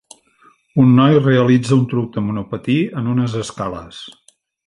Un noi realitza un truc de monopatí en unes escales.